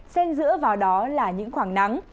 xen giữa vào đó là những khoảng nắng